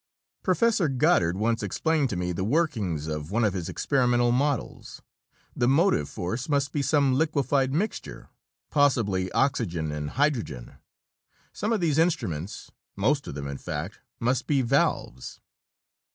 "Professor Goddard once explained to me the workings of one of his experimental models. The motive force must be some liquefied mixture, possibly oxygen and hydrogen. Some of these instruments most of them, in fact must be valves."